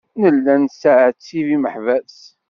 Nella nettɛettib imeḥbas.